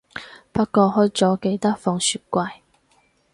不過開咗記得放雪櫃